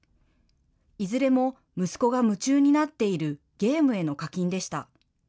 いずれも息子が夢中になっているゲームへの課金でした。